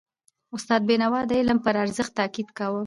استاد بینوا د علم پر ارزښت تاکید کاوه.